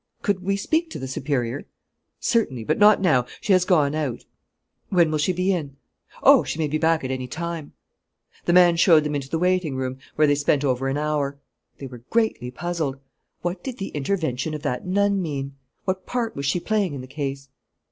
"Could we speak to the superior?" "Certainly, but not now: she has gone out." "When will she be in?" "Oh, she may be back at any time!" The man showed them into the waiting room, where they spent over an hour. They were greatly puzzled. What did the intervention of that nun mean? What part was she playing in the case?